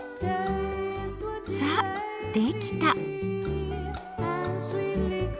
さあできた！